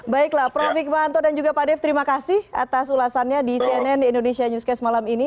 baiklah prof hikmahanto dan juga pak dev terima kasih atas ulasannya di cnn indonesia newscast malam ini